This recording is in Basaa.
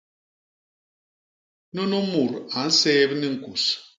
Nunu mut a nséép ni ñkus.